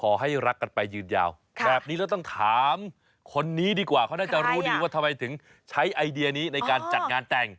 ขอให้รักกันไปยืนยาวแบบนี้เราต้องถามคนนี้ดีกว่าเขาน่าจะรู้ดีว่าทำไมถึงใช้ไอเดียนี้ในการจัดงานแต่ง